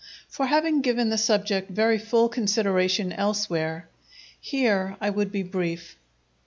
For having given the subject very full consideration elsewhere, here I would be brief.